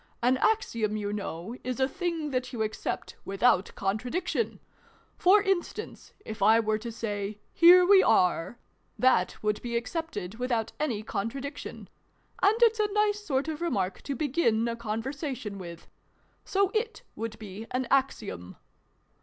An Axiom, you know, is a thing that you accept without contradiction. For instance, if I were to say ' Here we are !', that would be accepted without any contradiction, and it's a nice sort of remark to begin a con versation with. So it would be an Axiom.